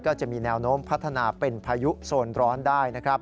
จะมีแนวโน้มพัฒนาเป็นพายุโซนร้อนได้นะครับ